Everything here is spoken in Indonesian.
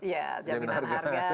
iya jaminan harga